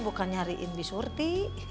bukan nyariin di surti